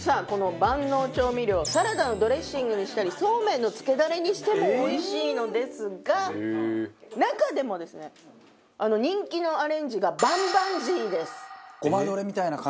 この万能調味料サラダのドレッシングにしたりそうめんのつけダレにしてもおいしいのですが中でもですね人気のアレンジが棒棒鶏です。